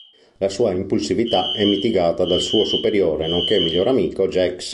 La sua impulsività è mitigata dal suo superiore nonché miglior amico Jax.